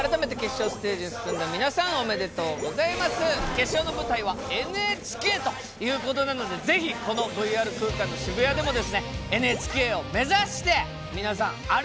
決勝の舞台はＮＨＫということなのでぜひこのＶＲ空間の渋谷でもですねＮＨＫを目指して皆さん歩いて頂きたいと思います。